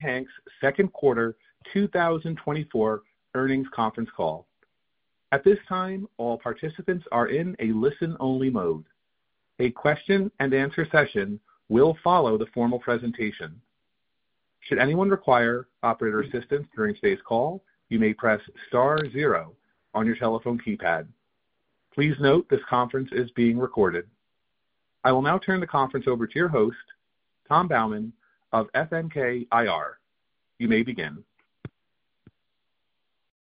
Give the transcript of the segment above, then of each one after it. Harte Hanks second quarter 2024 earnings conference call. At this time, all participants are in a listen-only mode. A question-and-answer session will follow the formal presentation. Should anyone require operator assistance during today's call, you may press star zero on your telephone keypad. Please note, this conference is being recorded. I will now turn the conference over to your host, Tom Baumann of FNK IR. You may begin.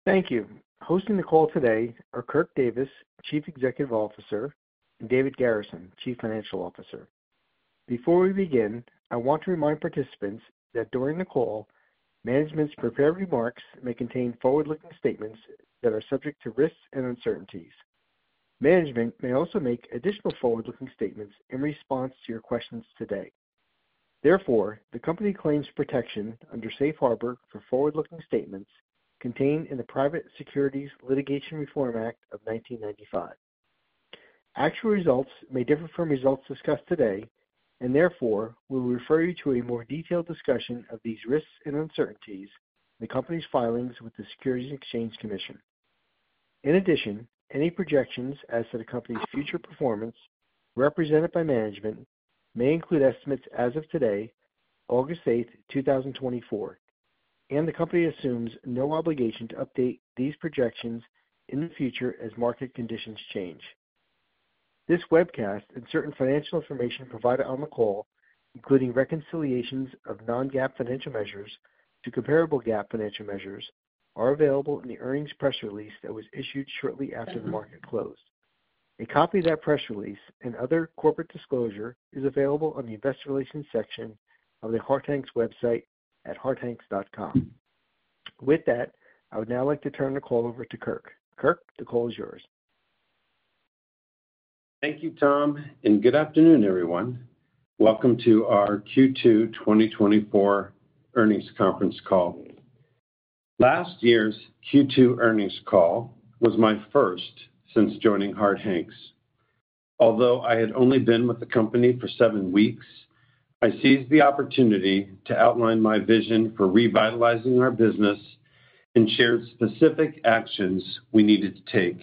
Thank you. Hosting the call today are Kirk Davis, Chief Executive Officer, and David Garrison, Chief Financial Officer. Before we begin, I want to remind participants that during the call, management's prepared remarks may contain forward-looking statements that are subject to risks and uncertainties. Management may also make additional forward-looking statements in response to your questions today. Therefore, the company claims protection under Safe Harbor for forward-looking statements contained in the Private Securities Litigation Reform Act of 1995. Actual results may differ from results discussed today, and therefore, we will refer you to a more detailed discussion of these risks and uncertainties in the company's filings with the Securities and Exchange Commission. In addition, any projections as to the company's future performance represented by management may include estimates as of today, August 8, 2024, and the company assumes no obligation to update these projections in the future as market conditions change. This webcast and certain financial information provided on the call, including reconciliations of non-GAAP financial measures to comparable GAAP financial measures, are available in the earnings press release that was issued shortly after the market closed. A copy of that press release and other corporate disclosure is available on the Investor Relations section of the Harte Hanks website at hartehanks.com. With that, I would now like to turn the call over to Kirk. Kirk, the call is yours. Thank you, Tom, and good afternoon, everyone. Welcome to our Q2 2024 earnings conference call. Last year's Q2 earnings call was my first since joining Harte Hanks. Although I had only been with the company for seven weeks, I seized the opportunity to outline my vision for revitalizing our business and shared specific actions we needed to take.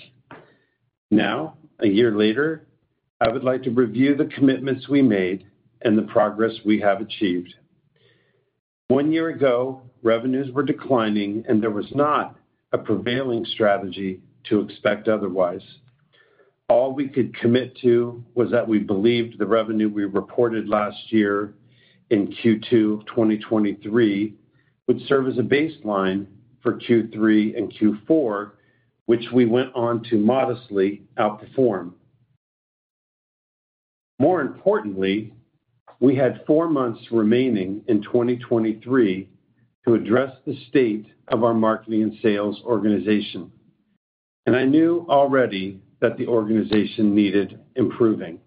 Now, a year later, I would like to review the commitments we made and the progress we have achieved. One year ago, revenues were declining, and there was not a prevailing strategy to expect otherwise. All we could commit to was that we believed the revenue we reported last year in Q2 2023 would serve as a baseline for Q3 and Q4, which we went on to modestly outperform. More importantly, we had four months remaining in 2023 to address the state of our marketing and sales organization, and I knew already that the organization needed improving.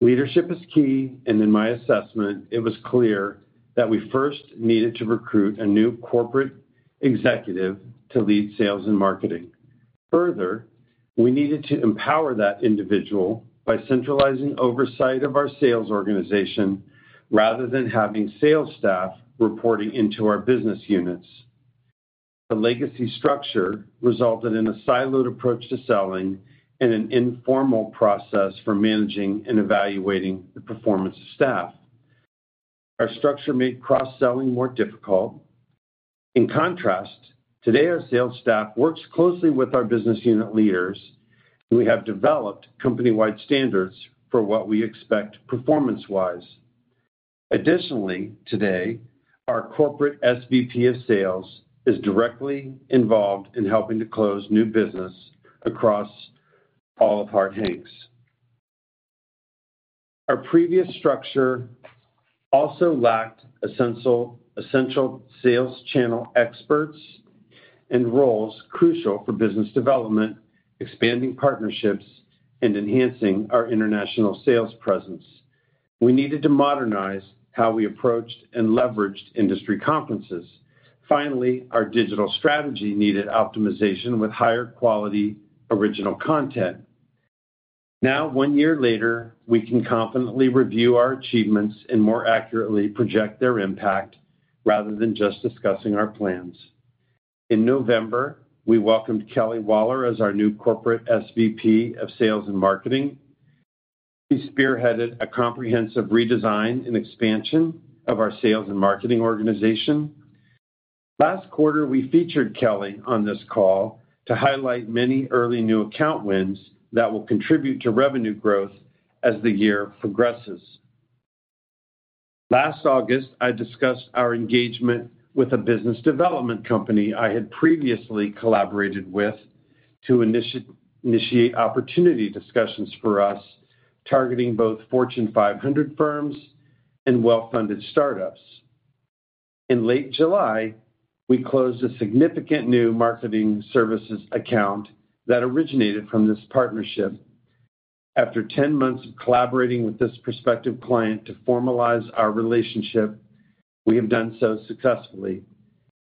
Leadership is key, and in my assessment, it was clear that we first needed to recruit a new corporate executive to lead sales and marketing. Further, we needed to empower that individual by centralizing oversight of our sales organization rather than having sales staff reporting into our business units. The legacy structure resulted in a siloed approach to selling and an informal process for managing and evaluating the performance of staff. Our structure made cross-selling more difficult. In contrast, today, our sales staff works closely with our business unit leaders, and we have developed company-wide standards for what we expect performance-wise. Additionally, today, our corporate SVP of Sales is directly involved in helping to close new business across all of Harte Hanks. Our previous structure also lacked essential sales channel experts and roles crucial for business development, expanding partnerships, and enhancing our international sales presence. We needed to modernize how we approached and leveraged industry conferences. Finally, our digital strategy needed optimization with higher quality original content. Now, one year later, we can confidently review our achievements and more accurately project their impact rather than just discussing our plans. In November, we welcomed Kelly Waller as our new corporate SVP of Sales and Marketing. She spearheaded a comprehensive redesign and expansion of our sales and marketing organization. Last quarter, we featured Kelly on this call to highlight many early new account wins that will contribute to revenue growth as the year progresses. Last August, I discussed our engagement with a business development company I had previously collaborated with to initiate opportunity discussions for us, targeting both Fortune 500 firms and well-funded startups. In late July, we closed a significant new marketing services account that originated from this partnership. After 10 months of collaborating with this prospective client to formalize our relationship, we have done so successfully.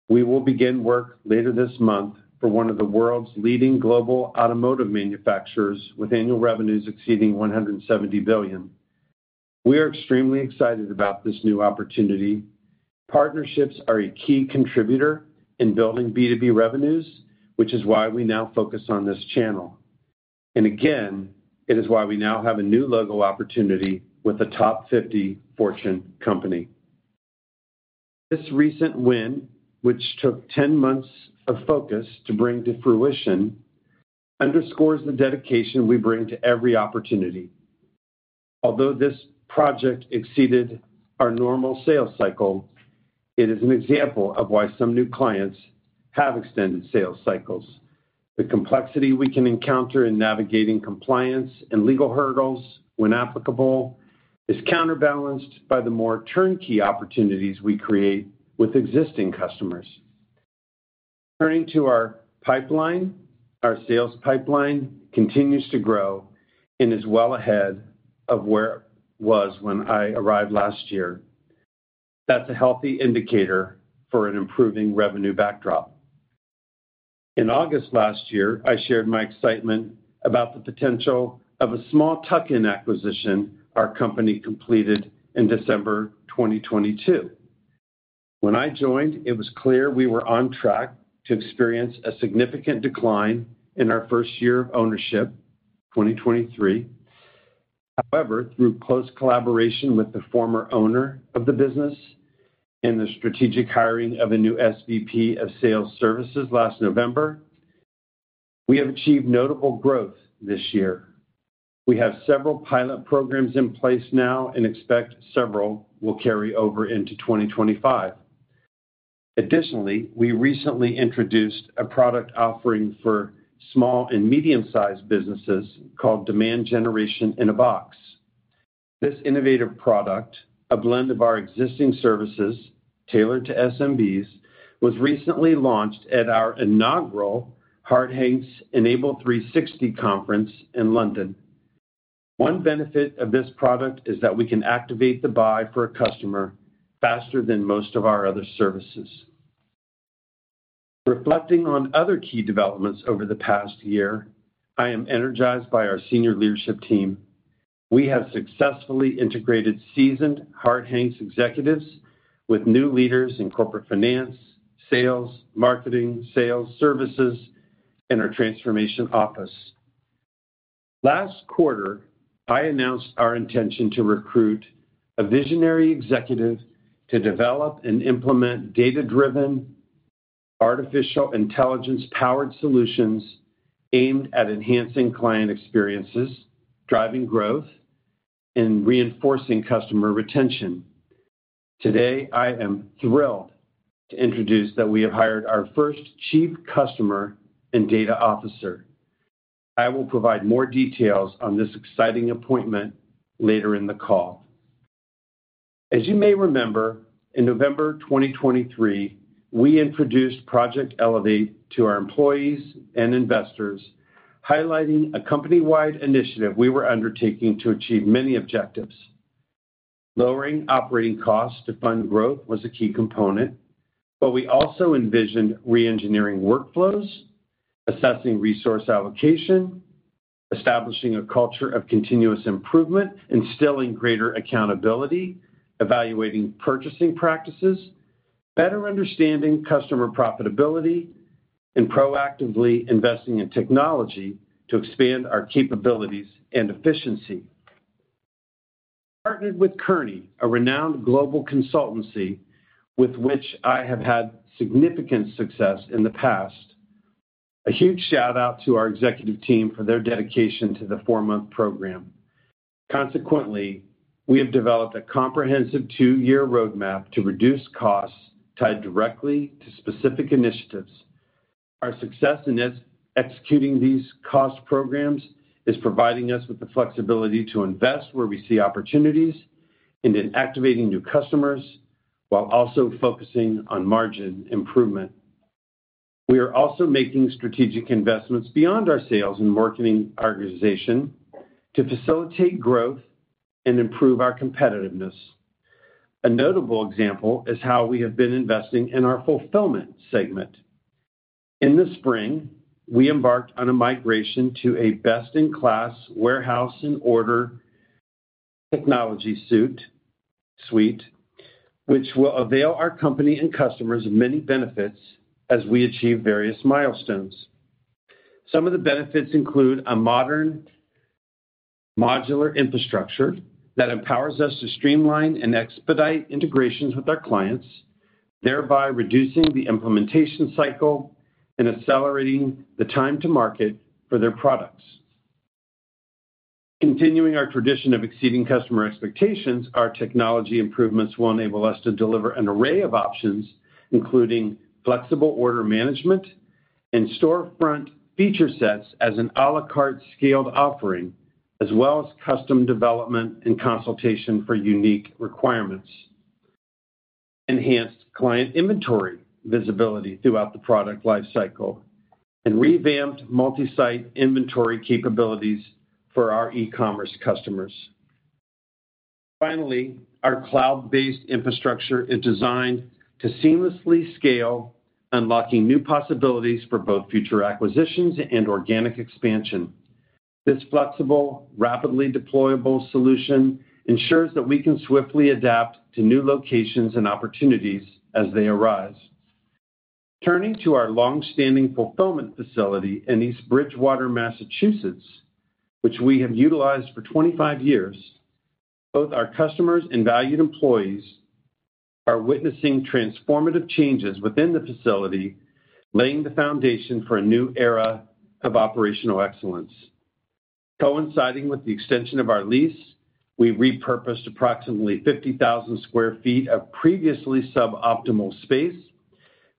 We will begin work later this month for one of the world's leading global automotive manufacturers, with annual revenues exceeding $170 billion. We are extremely excited about this new opportunity. Partnerships are a key contributor in building B2B revenues, which is why we now focus on this channel. Again, it is why we now have a new logo opportunity with a top 50 Fortune company. This recent win, which took 10 months of focus to bring to fruition, underscores the dedication we bring to every opportunity. Although this project exceeded our normal sales cycle, it is an example of why some new clients have extended sales cycles. The complexity we can encounter in navigating compliance and legal hurdles, when applicable, is counterbalanced by the more turnkey opportunities we create with existing customers. Turning to our pipeline, our sales pipeline continues to grow and is well ahead of where it was when I arrived last year. That's a healthy indicator for an improving revenue backdrop. In August last year, I shared my excitement about the potential of a small tuck-in acquisition our company completed in December 2022. When I joined, it was clear we were on track to experience a significant decline in our first year of ownership, 2023. However, through close collaboration with the former owner of the business and the strategic hiring of a new SVP of Sales Services last November, we have achieved notable growth this year. We have several pilot programs in place now and expect several will carry over into 2025. Additionally, we recently introduced a product offering for small and medium-sized businesses called Demand Generation-in-a-Box. This innovative product, a blend of our existing services tailored to SMBs, was recently launched at our inaugural Harte Hanks Enable360 Conference in London. One benefit of this product is that we can activate the buy for a customer faster than most of our other services. Reflecting on other key developments over the past year, I am energized by our senior leadership team. We have successfully integrated seasoned Harte Hanks executives with new leaders in corporate finance, sales, marketing, sales, services, and our transformation office. Last quarter, I announced our intention to recruit a visionary executive to develop and implement data-driven, artificial intelligence-powered solutions aimed at enhancing client experiences, driving growth, and reinforcing customer retention. Today, I am thrilled to introduce that we have hired our first Chief Customer and Data Officer. I will provide more details on this exciting appointment later in the call. As you may remember, in November 2023, we introduced Project Elevate to our employees and investors, highlighting a company-wide initiative we were undertaking to achieve many objectives. Lowering operating costs to fund growth was a key component, but we also envisioned reengineering workflows, assessing resource allocation, establishing a culture of continuous improvement, instilling greater accountability, evaluating purchasing practices, better understanding customer profitability, and proactively investing in technology to expand our capabilities and efficiency. We partnered with Kearney, a renowned global consultancy with which I have had significant success in the past. A huge shout-out to our executive team for their dedication to the four-month program. Consequently, we have developed a comprehensive two-year roadmap to reduce costs tied directly to specific initiatives. Our success in this, executing these cost programs is providing us with the flexibility to invest where we see opportunities and in activating new customers while also focusing on margin improvement. We are also making strategic investments beyond our sales and marketing organization to facilitate growth and improve our competitiveness. A notable example is how we have been investing in our fulfillment segment. In the spring, we embarked on a migration to a best-in-class warehouse and order technology suite, which will avail our company and customers many benefits as we achieve various milestones. Some of the benefits include a modern, modular infrastructure that empowers us to streamline and expedite integrations with our clients, thereby reducing the implementation cycle and accelerating the time to market for their products. Continuing our tradition of exceeding customer expectations, our technology improvements will enable us to deliver an array of options, including flexible order management and storefront feature sets as an à la carte scaled offering, as well as custom development and consultation for unique requirements, enhanced client inventory visibility throughout the product lifecycle, and revamped multi-site inventory capabilities for our e-commerce customers. Finally, our cloud-based infrastructure is designed to seamlessly scale, unlocking new possibilities for both future acquisitions and organic expansion. This flexible, rapidly deployable solution ensures that we can swiftly adapt to new locations and opportunities as they arise. Turning to our long-standing fulfillment facility in East Bridgewater, Massachusetts, which we have utilized for 25 years, both our customers and valued employees are witnessing transformative changes within the facility, laying the foundation for a new era of operational excellence. Coinciding with the extension of our lease, we repurposed approximately 50,000 sq ft of previously suboptimal space,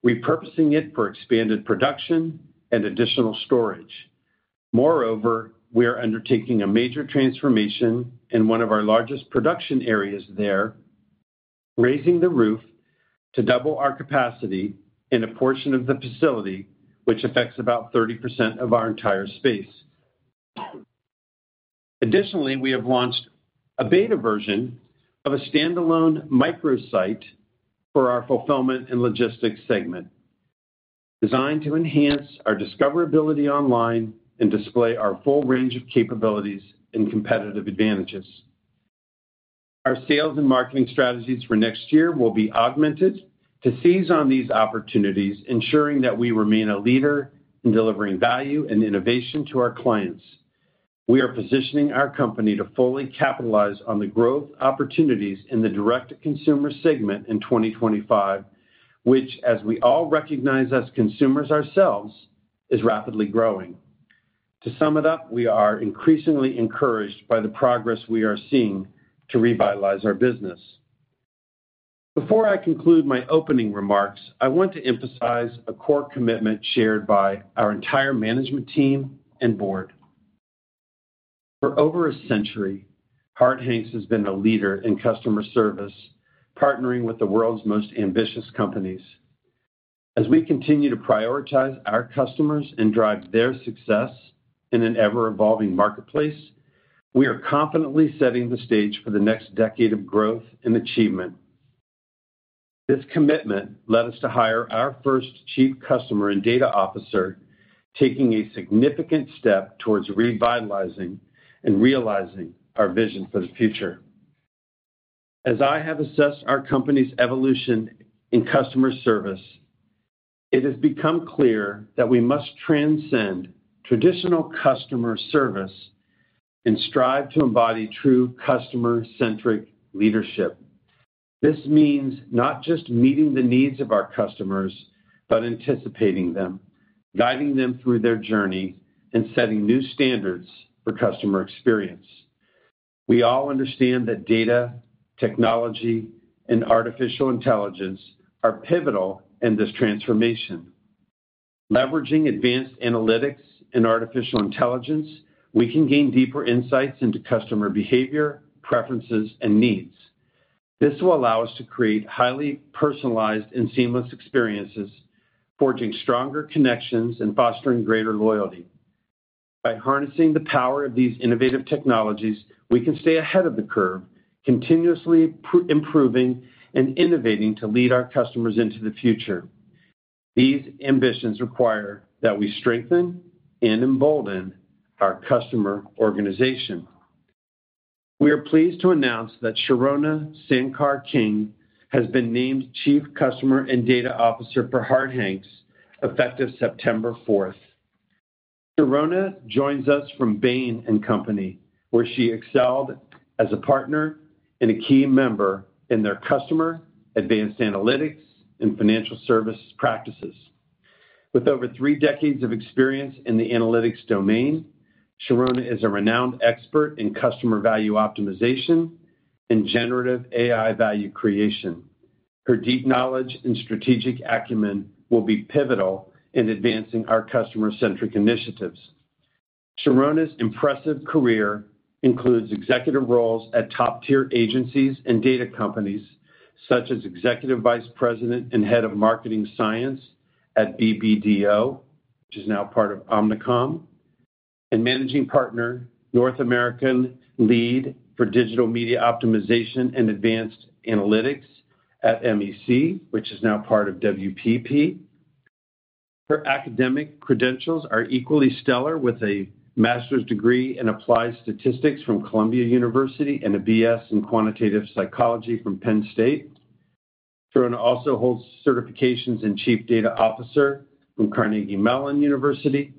repurposing it for expanded production and additional storage. Moreover, we are undertaking a major transformation in one of our largest production areas there, raising the roof to double our capacity in a portion of the facility, which affects about 30% of our entire space. Additionally, we have launched a beta version of a standalone microsite for our fulfillment and logistics segment, designed to enhance our discoverability online and display our full range of capabilities and competitive advantages. Our sales and marketing strategies for next year will be augmented to seize on these opportunities, ensuring that we remain a leader in delivering value and innovation to our clients. We are positioning our company to fully capitalize on the growth opportunities in the direct-to-consumer segment in 2025, which, as we all recognize as consumers ourselves, is rapidly growing. To sum it up, we are increasingly encouraged by the progress we are seeing to revitalize our business. Before I conclude my opening remarks, I want to emphasize a core commitment shared by our entire management team and board. For over a century, Harte Hanks has been a leader in customer service, partnering with the world's most ambitious companies. As we continue to prioritize our customers and drive their success in an ever-evolving marketplace, we are confidently setting the stage for the next decade of growth and achievement. This commitment led us to hire our first Chief Customer and Data Officer, taking a significant step towards revitalizing and realizing our vision for the future. As I have assessed our company's evolution in customer service, it has become clear that we must transcend traditional customer service and strive to embody true customer-centric leadership. This means not just meeting the needs of our customers, but anticipating them, guiding them through their journey, and setting new standards for customer experience. We all understand that data, technology, and artificial intelligence are pivotal in this transformation. Leveraging advanced analytics and artificial intelligence, we can gain deeper insights into customer behavior, preferences, and needs. This will allow us to create highly personalized and seamless experiences, forging stronger connections and fostering greater loyalty. By harnessing the power of these innovative technologies, we can stay ahead of the curve, continuously improving and innovating to lead our customers into the future. These ambitions require that we strengthen and embolden our customer organization. We are pleased to announce that Sharona Sankar-King has been named Chief Customer and Data Officer for Harte Hanks, effective September fourth. Sharona joins us from Bain & Company, where she excelled as a partner and a key member in their customer, advanced analytics, and financial service practices. With over three decades of experience in the analytics domain, Sharona is a renowned expert in customer value optimization and generative AI value creation. Her deep knowledge and strategic acumen will be pivotal in advancing our customer-centric initiatives. Sharona's impressive career includes executive roles at top-tier agencies and data companies, such as Executive Vice President and Head of Marketing Science at BBDO, which is now part of Omnicom, and Managing Partner, North American Lead for Digital Media Optimization and Advanced Analytics at MEC, which is now part of WPP. Her academic credentials are equally stellar, with a master's degree in Applied Statistics from Columbia University and a B.S. in Quantitative Psychology from Penn State. Sharona also holds certifications in Chief Data Officer from Carnegie Mellon University,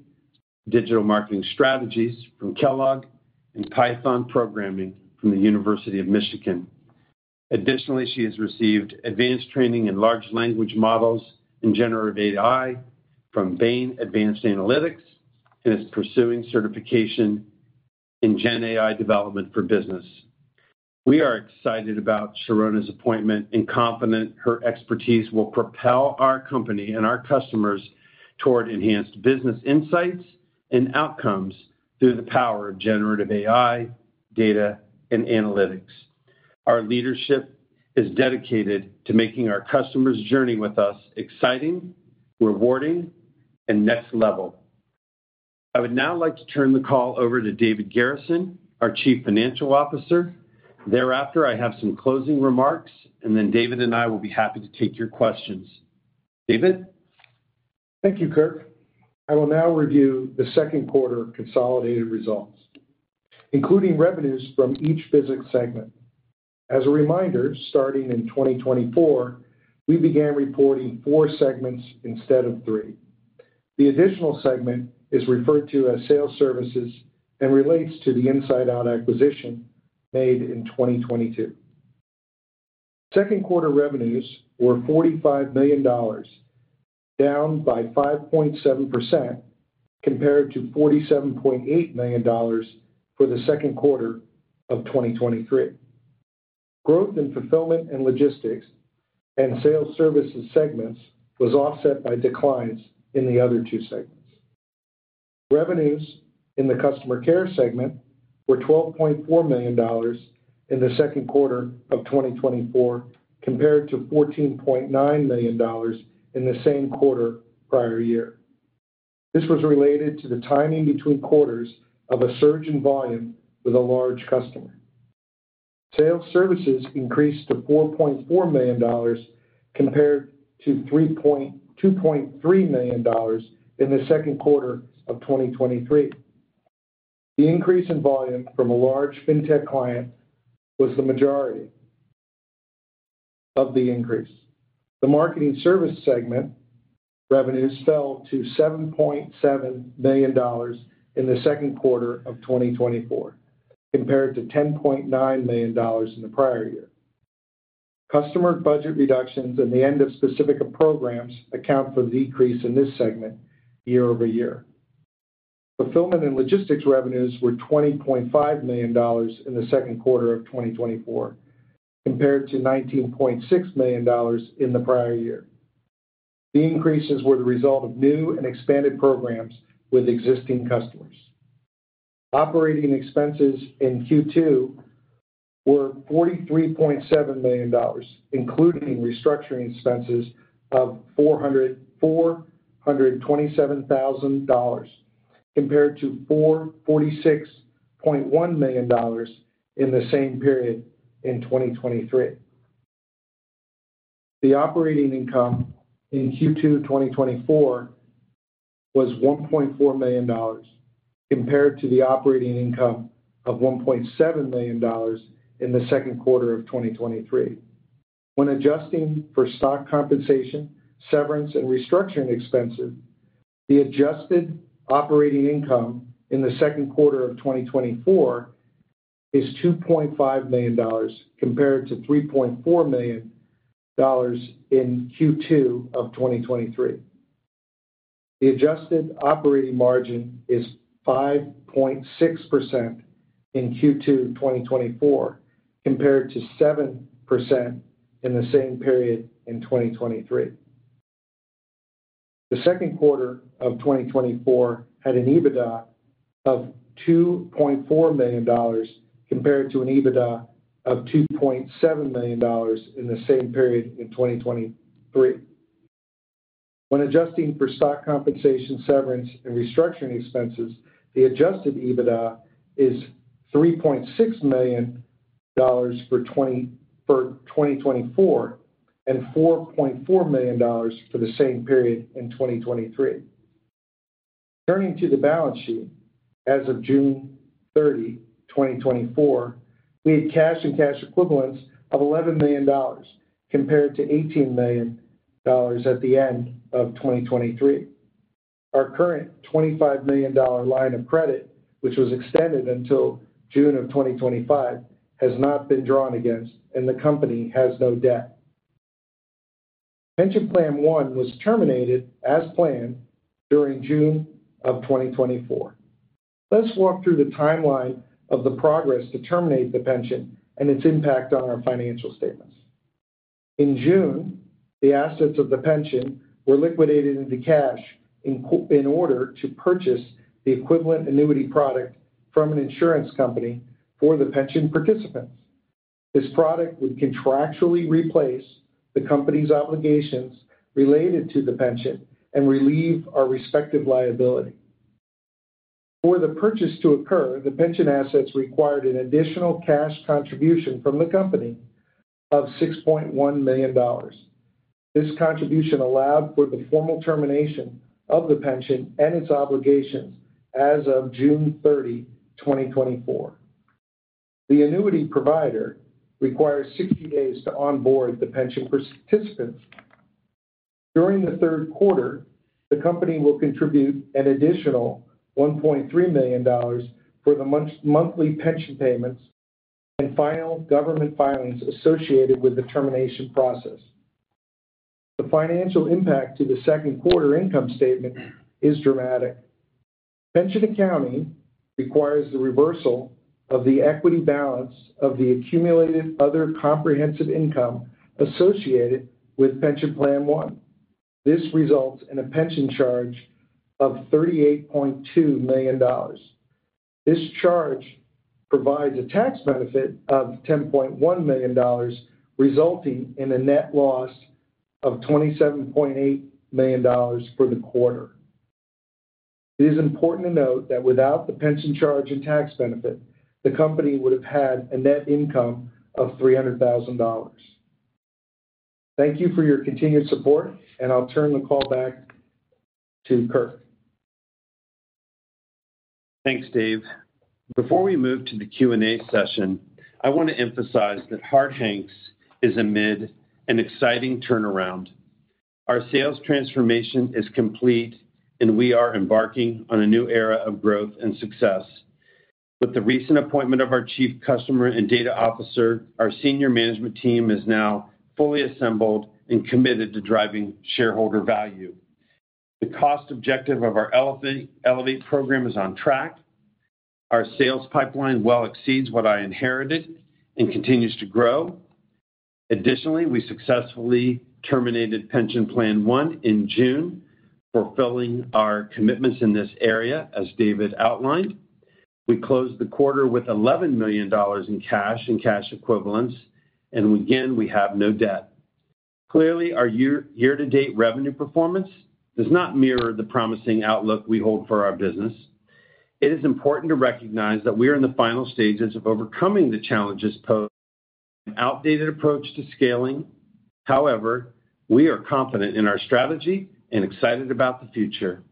Digital Marketing Strategies from Kellogg, and Python Programming from the University of Michigan. Additionally, she has received advanced training in large language models and generative AI from Bain Advanced Analytics and is pursuing certification in Gen AI Development for Business. We are excited about Sharona's appointment and confident her expertise will propel our company and our customers toward enhanced business insights and outcomes through the power of Generative AI, data, and analytics. Our leadership is dedicated to making our customers' journey with us exciting, rewarding, and next level. I would now like to turn the call over to David Garrison, our Chief Financial Officer. Thereafter, I have some closing remarks, and then David and I will be happy to take your questions. David? Thank you, Kirk. I will now review the second quarter consolidated results, including revenues from each business segment. As a reminder, starting in 2024, we began reporting four segments instead of three. The additional segment is referred to as sales services and relates to the InsideOut acquisition made in 2022. Second quarter revenues were $45 million, down by 5.7% compared to $47.8 million for the second quarter of 2023. Growth in fulfillment and logistics and sales services segments was offset by declines in the other two segments. Revenues in the customer care segment were $12.4 million in the second quarter of 2024, compared to $14.9 million in the same quarter prior year. This was related to the timing between quarters of a surge in volume with a large customer. Sales services increased to $4.4 million compared to $2.3 million in the second quarter of 2023. The increase in volume from a large fintech client was the majority of the increase. The marketing services segment revenues fell to $7.7 million in the second quarter of 2024, compared to $10.9 million in the prior year. Customer budget reductions and the end of specific programs account for the decrease in this segment year-over-year. Fulfillment and logistics revenues were $20.5 million in the second quarter of 2024, compared to $19.6 million in the prior year. The increases were the result of new and expanded programs with existing customers. Operating expenses in Q2 were $43.7 million, including restructuring expenses of $427,000, compared to $46.1 million in the same period in 2023. The operating income in Q2 2024 was $1.4 million, compared to the operating income of $1.7 million in the second quarter of 2023. When adjusting for stock compensation, severance, and restructuring expenses, the adjusted operating income in the second quarter of 2024 is $2.5 million, compared to $3.4 million in Q2 of 2023. The adjusted operating margin is 5.6% in Q2 2024, compared to 7% in the same period in 2023. The second quarter of 2024 had an EBITDA of $2.4 million, compared to an EBITDA of $2.7 million in the same period in 2023. When adjusting for stock compensation, severance, and restructuring expenses, the adjusted EBITDA is $3.6 million for 2024, and $4.4 million for the same period in 2023. Turning to the balance sheet, as of June 30, 2024, we had cash and cash equivalents of $11 million, compared to $18 million at the end of 2023. Our current $25 million line of credit, which was extended until June of 2025, has not been drawn against, and the company has no debt. Pension Plan One was terminated as planned during June of 2024. Let's walk through the timeline of the progress to terminate the pension and its impact on our financial statements. In June, the assets of the pension were liquidated into cash in order to purchase the equivalent annuity product from an insurance company for the pension participants. This product would contractually replace the company's obligations related to the pension and relieve our respective liability. For the purchase to occur, the pension assets required an additional cash contribution from the company of $6.1 million. This contribution allowed for the formal termination of the pension and its obligations as of June 30, 2024. The annuity provider requires 60 days to onboard the pension participants. During the third quarter, the company will contribute an additional $1.3 million for the monthly pension payments and final government filings associated with the termination process. The financial impact to the second quarter income statement is dramatic. Pension accounting requires the reversal of the equity balance of the accumulated other comprehensive income associated with Pension Plan One. This results in a pension charge of $38.2 million. This charge provides a tax benefit of $10.1 million, resulting in a net loss of $27.8 million for the quarter. It is important to note that without the pension charge and tax benefit, the company would have had a net income of $300,000. Thank you for your continued support, and I'll turn the call back to Kirk. Thanks, Dave. Before we move to the Q&A session, I want to emphasize that Harte Hanks is amid an exciting turnaround. Our sales transformation is complete, and we are embarking on a new era of growth and success. With the recent appointment of our Chief Customer and Data Officer, our senior management team is now fully assembled and committed to driving shareholder value. The cost objective of our Project Elevate program is on track. Our sales pipeline well exceeds what I inherited and continues to grow. Additionally, we successfully terminated Pension Plan One in June, fulfilling our commitments in this area, as David outlined. We closed the quarter with $11 million in cash and cash equivalents, and again, we have no debt. Clearly, our year-to-date revenue performance does not mirror the promising outlook we hold for our business. It is important to recognize that we are in the final stages of overcoming the challenges posed by an outdated approach to scaling. However, we are confident in our strategy and excited about the future.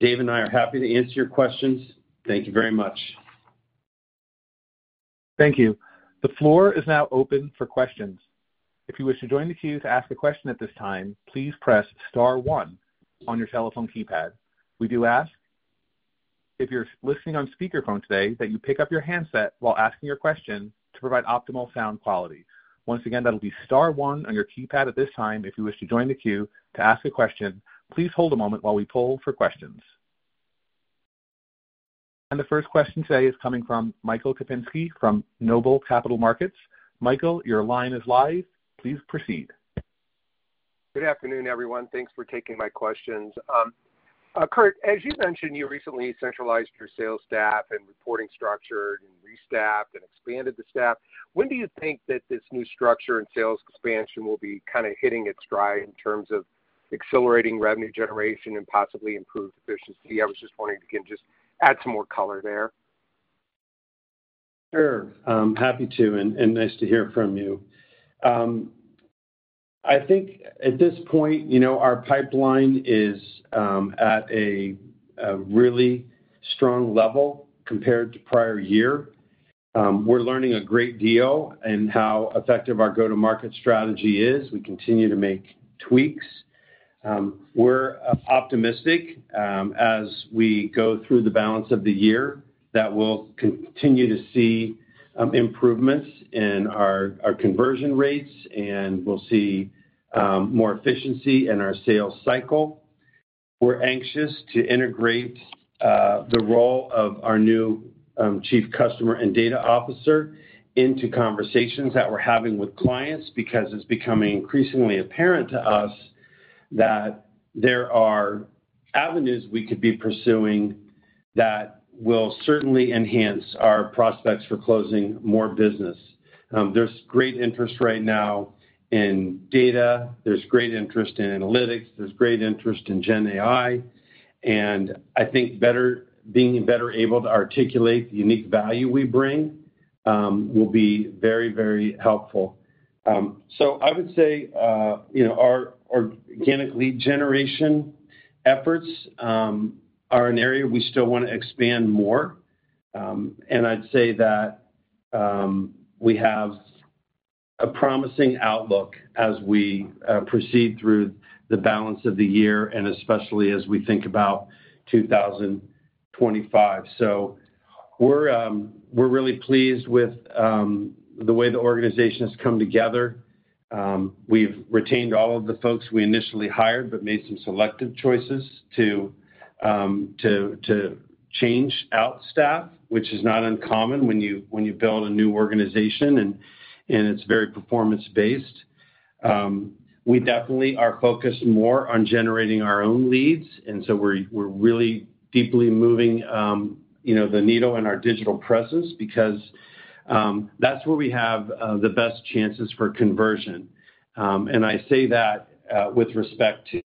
Dave and I are happy to answer your questions. Thank you very much. Thank you. The floor is now open for questions. If you wish to join the queue to ask a question at this time, please press star one on your telephone keypad. We do ask, if you're listening on speakerphone today, that you pick up your handset while asking your question to provide optimal sound quality. Once again, that'll be star one on your keypad at this time, if you wish to join the queue to ask a question. Please hold a moment while we poll for questions. The first question today is coming from Michael Kupinski from Noble Capital Markets. Michael, your line is live. Please proceed. Good afternoon, everyone. Thanks for taking my questions. Kirk, as you mentioned, you recently centralized your sales staff and reporting structure and restaffed and expanded the staff. When do you think that this new structure and sales expansion will be kind of hitting its stride in terms of accelerating revenue generation and possibly improved efficiency? I was just wondering if you can just add some more color there. Sure, I'm happy to, and nice to hear from you. I think at this point, you know, our pipeline is at a really strong level compared to prior year. We're learning a great deal in how effective our go-to-market strategy is. We continue to make tweaks. We're optimistic as we go through the balance of the year, that we'll continue to see improvements in our conversion rates, and we'll see more efficiency in our sales cycle. We're anxious to integrate the role of our new Chief Customer and Data Officer into conversations that we're having with clients, because it's becoming increasingly apparent to us that there are avenues we could be pursuing that will certainly enhance our prospects for closing more business. There's great interest right now in data. There's great interest in analytics, there's great interest in GenAI, and I think being better able to articulate the unique value we bring will be very, very helpful. So I would say, you know, our organic lead generation efforts are an area we still want to expand more. And I'd say that we have a promising outlook as we proceed through the balance of the year, and especially as we think about 2025. So we're really pleased with the way the organization has come together. We've retained all of the folks we initially hired, but made some selective choices to change out staff, which is not uncommon when you build a new organization, and it's very performance-based. We definitely are focused more on generating our own leads, and so we're really deeply moving you know the needle in our digital presence because that's where we have the best chances for conversion. And I say that with respect to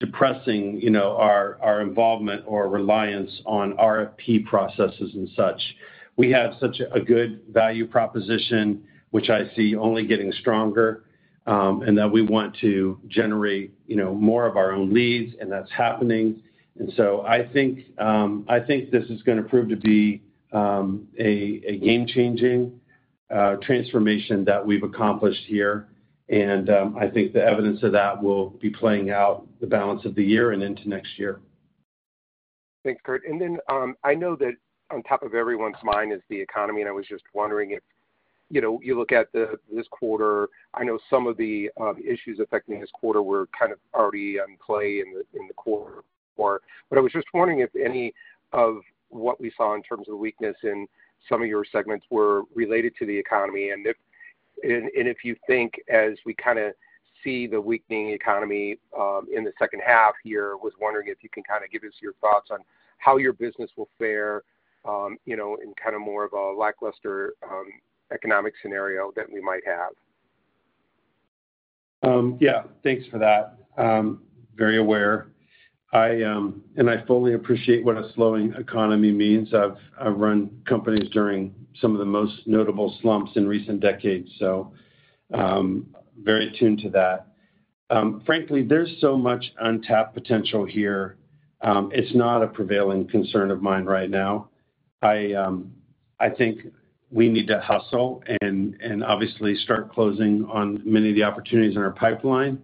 de-emphasizing you know our involvement or reliance on RFP processes and such. We have such a good value proposition, which I see only getting stronger, and that we want to generate you know more of our own leads, and that's happening. And so I think this is gonna prove to be a game-changing transformation that we've accomplished here. And I think the evidence of that will be playing out the balance of the year and into next year. Thanks, Kirk. And then, I know that on top of everyone's mind is the economy, and I was just wondering if, you know, you look at this quarter, I know some of the issues affecting this quarter were kind of already at play in the quarter. But I was just wondering if any of what we saw in terms of weakness in some of your segments were related to the economy, and if you think as we kind of see the weakening economy in the second half here, I was wondering if you can kind of give us your thoughts on how your business will fare, you know, in kind of more of a lackluster economic scenario that we might have? Yeah, thanks for that. Very aware. And I fully appreciate what a slowing economy means. I've run companies during some of the most notable slumps in recent decades, so very attuned to that. Frankly, there's so much untapped potential here, it's not a prevailing concern of mine right now. I think we need to hustle and obviously start closing on many of the opportunities in our pipeline.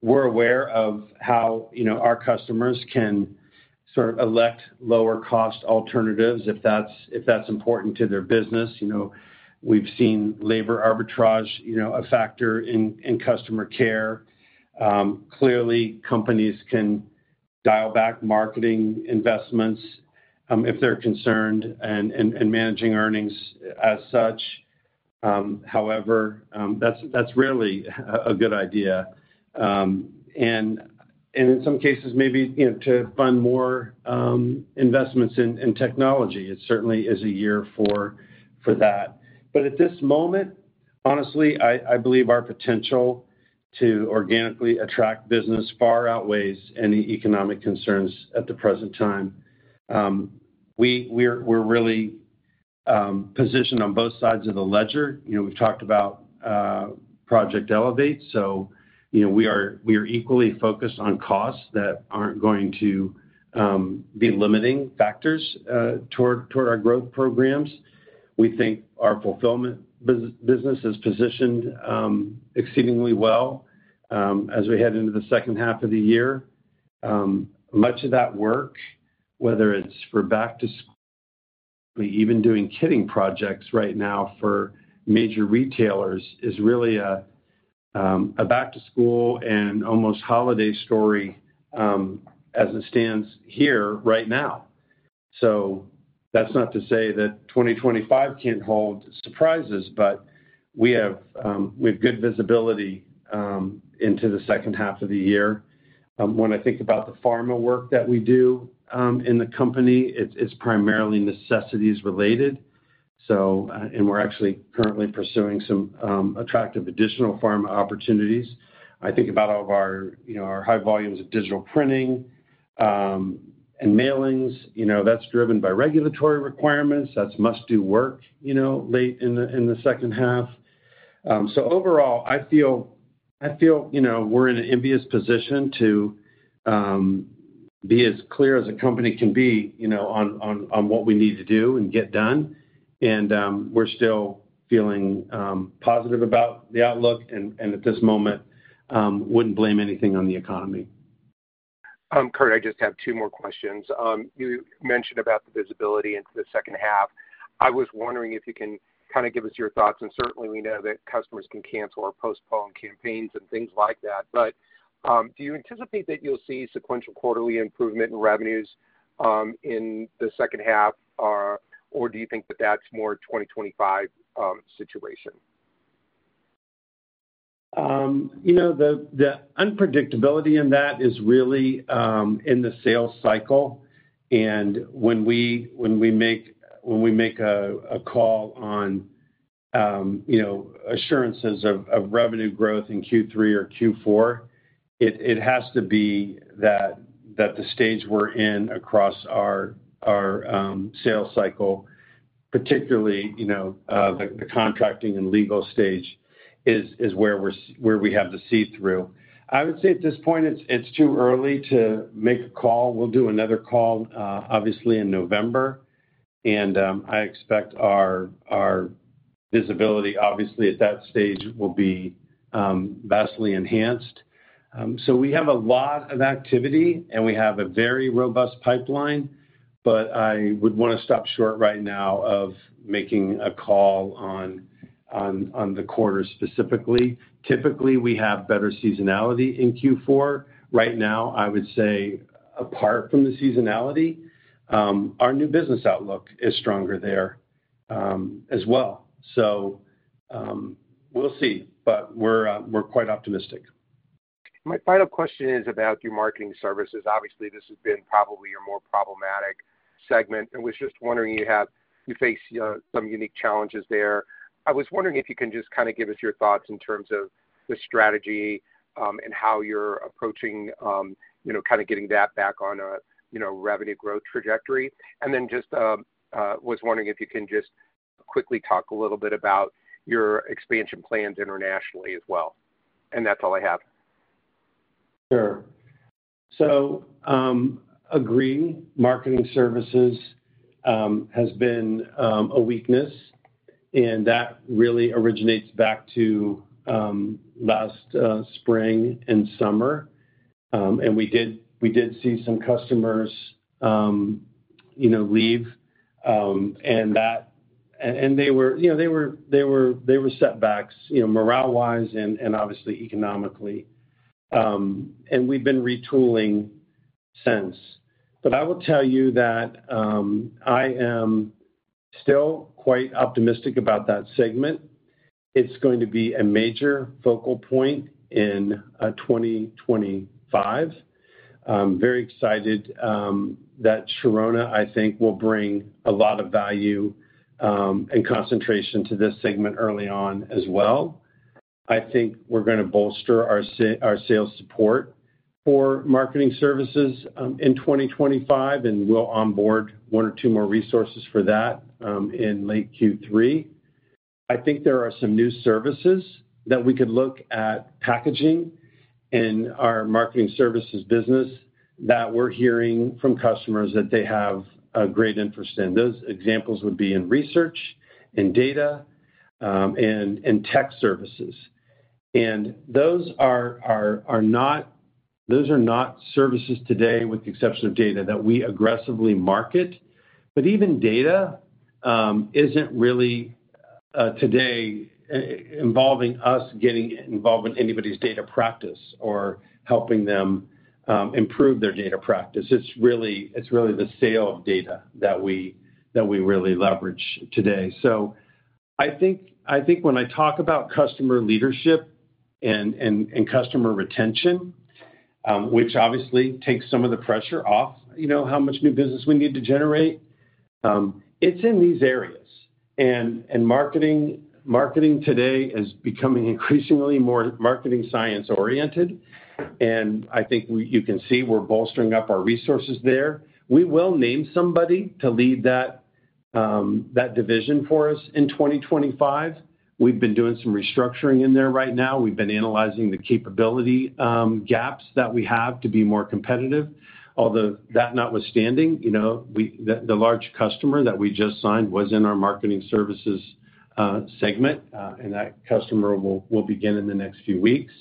We're aware of how, you know, our customers can sort of elect lower-cost alternatives if that's important to their business. You know, we've seen labor arbitrage, you know, a factor in customer care. Clearly, companies can dial back marketing investments if they're concerned and managing earnings as such. However, that's rarely a good idea. And in some cases, maybe, you know, to fund more investments in technology. It certainly is a year for that. But at this moment, honestly, I believe our potential to organically attract business far outweighs any economic concerns at the present time. We're really positioned on both sides of the ledger. You know, we've talked about Project Elevate, so, you know, we are equally focused on costs that aren't going to be limiting factors toward our growth programs. We think our fulfillment business is positioned exceedingly well as we head into the second half of the year. Much of that work, whether it's for back to school, even doing kitting projects right now for major retailers, is really a, a back to school and almost holiday story, as it stands here right now. So that's not to say that 2025 can't hold surprises, but we have, we have good visibility, into the second half of the year. When I think about the pharma work that we do, in the company, it's, it's primarily necessities related. So, and we're actually currently pursuing some, attractive additional pharma opportunities. I think about all of our, you know, our high volumes of digital printing, and mailings, you know, that's driven by regulatory requirements. That's must-do work, you know, late in the, in the second half. So overall, I feel, I feel, you know, we're in an envious position to be as clear as a company can be, you know, on what we need to do and get done. And we're still feeling positive about the outlook and at this moment wouldn't blame anything on the economy. Kirk, I just have two more questions. You mentioned about the visibility into the second half. I was wondering if you can kind of give us your thoughts, and certainly, we know that customers can cancel or postpone campaigns and things like that, but do you anticipate that you'll see sequential quarterly improvement in revenues in the second half? Or do you think that that's more a 2025 situation? You know, the unpredictability in that is really in the sales cycle. When we make a call on, you know, assurances of revenue growth in Q3 or Q4, it has to be that the stage we're in across our sales cycle, particularly, you know, the contracting and legal stage, is where we have the see-through. I would say at this point, it's too early to make a call. We'll do another call, obviously, in November, and I expect our visibility, obviously, at that stage will be vastly enhanced. We have a lot of activity, and we have a very robust pipeline, but I would want to stop short right now of making a call on the quarter specifically. Typically, we have better seasonality in Q4. Right now, I would say apart from the seasonality, our new business outlook is stronger there, as well. So, we'll see, but we're quite optimistic. My final question is about your marketing services. Obviously, this has been probably your more problematic segment, and was just wondering, you face some unique challenges there. I was wondering if you can just kind of give us your thoughts in terms of the strategy, and how you're approaching, you know, kind of getting that back on a, you know, revenue growth trajectory. And then just, was wondering if you can just quickly talk a little bit about your expansion plans internationally as well. And that's all I have. Sure. So I agree, marketing services has been a weakness, and that really originates back to last spring and summer. And we did see some customers, you know, leave, and that and they were, you know, they were, they were setbacks, you know, morale-wise and obviously economically. And we've been retooling since. But I will tell you that I am still quite optimistic about that segment. It's going to be a major focal point in 2025. Very excited that Sharona, I think, will bring a lot of value and concentration to this segment early on as well. I think we're gonna bolster our sales support for marketing services in 2025, and we'll onboard one or two more resources for that in late Q3. I think there are some new services that we could look at packaging in our marketing services business that we're hearing from customers that they have a great interest in. Those examples would be in research, in data, and tech services. And those are not services today, with the exception of data, that we aggressively market. But even data isn't really today involving us getting involved in anybody's data practice or helping them improve their data practice. It's really the sale of data that we really leverage today. So I think when I talk about customer leadership and customer retention, which obviously takes some of the pressure off, you know, how much new business we need to generate, it's in these areas. Marketing today is becoming increasingly more marketing science-oriented, and I think you can see we're bolstering up our resources there. We will name somebody to lead that division for us in 2025. We've been doing some restructuring in there right now. We've been analyzing the capability gaps that we have to be more competitive. Although that notwithstanding, you know, the large customer that we just signed was in our marketing services segment, and that customer will begin in the next few weeks.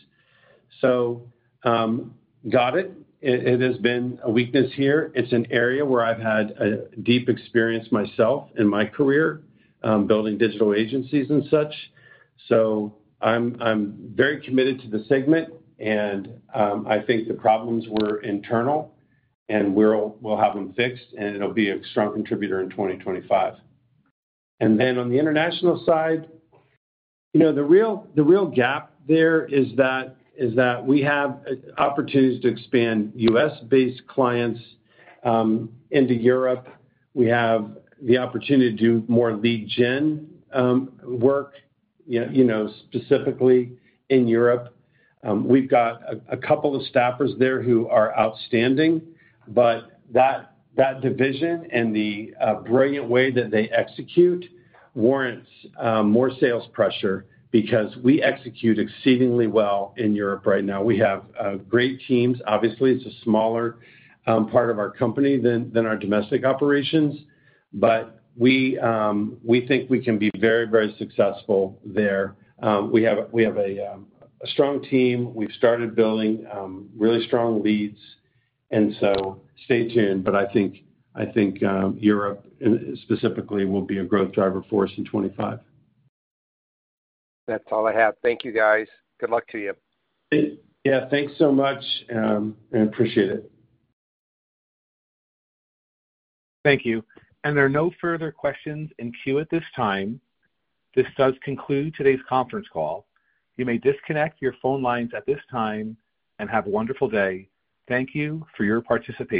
So, got it. It has been a weakness here. It's an area where I've had a deep experience myself in my career building digital agencies and such. So I'm very committed to the segment and, I think the problems were internal, and we'll have them fixed, and it'll be a strong contributor in 2025. And then on the international side, you know, the real gap there is that we have opportunities to expand U.S.-based clients into Europe. We have the opportunity to do more lead gen work, you know, specifically in Europe. We've got a couple of staffers there who are outstanding, but that division and the brilliant way that they execute warrants more sales pressure because we execute exceedingly well in Europe right now. We have great teams. Obviously, it's a smaller part of our company than our domestic operations, but we think we can be very, very successful there. We have a strong team. We've started building really strong leads, and so stay tuned. But I think Europe specifically will be a growth driver for us in 2025. That's all I have. Thank you, guys. Good luck to you. Yeah, thanks so much, and appreciate it. Thank you. And there are no further questions in queue at this time. This does conclude today's conference call. You may disconnect your phone lines at this time, and have a wonderful day. Thank you for your participation.